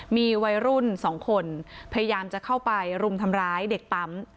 มีวัยรุ่น๒คนพยายามจะเข้าไปรุมทำร้ายเด็กปั๊ม